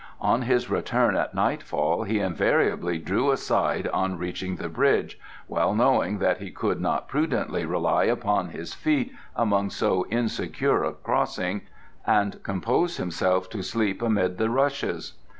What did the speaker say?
On his return at nightfall he invariably drew aside on reaching the bridge, well knowing that he could not prudently rely upon his feet among so insecure a crossing, and composed himself to sleep amid the rushes.